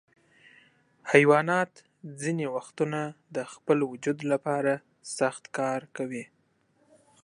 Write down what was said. حیوانات ځینې وختونه د خپل وجود لپاره سخت کار کوي.